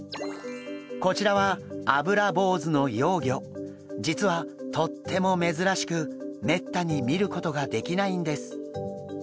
こちらは実はとっても珍しくめったに見ることができないんです。